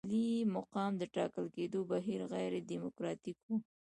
د عالي مقام د ټاکل کېدو بهیر غیر ډیموکراتیک وو.